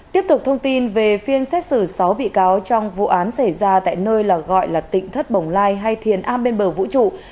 tiếp tục thông tin về phiên xét xử sáu bị cáo trong vụ án xảy ra tại nơi gọi là tịnh thất bồng lai hay thiền a bên bờ vũ trụ